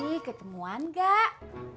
ih ketemuan gak